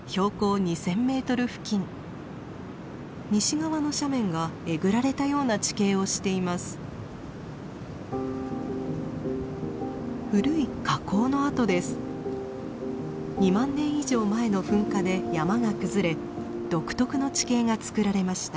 ２万年以上前の噴火で山が崩れ独特の地形がつくられました。